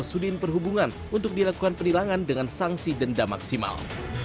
dan disediakan perhubungan untuk dilakukan penilangan dengan sanksi denda maksimal